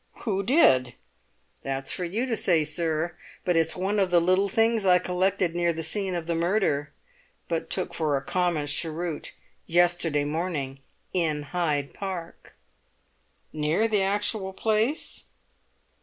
"Who did?" "That's for you to say, sir; but it's one of the little things I collected near the scene of the murder, but took for a common cheroot, yesterday morning in Hyde Park." "Near the actual place?"